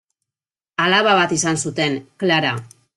Alaba bat izan zuten: Klara.